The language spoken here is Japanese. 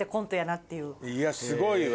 いやすごいわ。